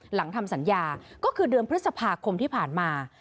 หลังทำสัญญาก็คือเดือนพฤษภาคมที่ผ่านมา